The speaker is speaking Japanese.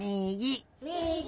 みぎ！